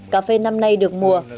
cà phê năm nay được mua